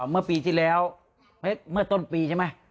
เมื่อปีที่แล้วเมื่อต้นปีใช่ไหม